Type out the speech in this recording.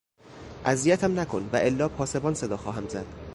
اذیتم نکن والا پاسبان صدا خواهم زد.